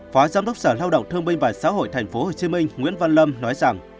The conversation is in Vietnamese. phó giám đốc sở lao động thương binh và xã hội tp hcm nguyễn văn lâm nói rằng